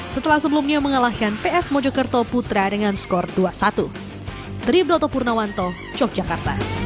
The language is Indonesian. setelah sebelumnya mengalahkan ps mojokerto putra dengan skor dua satu